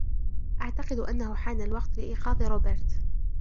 أعتقد أنهُ حان الوقت لإيقاظ روبِرت!